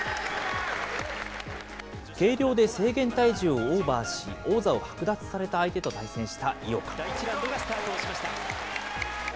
計量で制限体重をオーバーし、王座を剥奪された相手と対戦した井岡。